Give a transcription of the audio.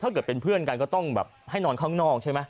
เกิดเป็นเพื่อนกันก็ต้องแบบให้นอนข้างนอกใช่ไหม